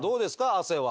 汗は。